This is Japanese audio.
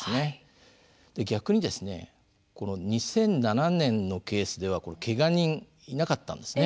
逆にですねこの２００７年のケースではけが人いなかったんですね。